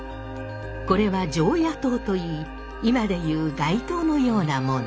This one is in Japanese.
これは常夜灯といい今でいう街灯のようなもの。